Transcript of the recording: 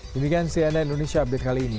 demikian cnn indonesia update kali ini